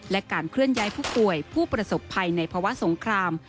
และการเคลื่อนไยผู้ประสบภัยในภาวะสงคราม